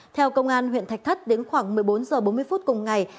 theo công an huyện thạch thất đến khoảng một mươi bốn h bốn mươi phút cùng ngày